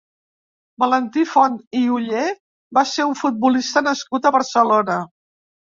Valentí Font i Oller va ser un futbolista nascut a Barcelona.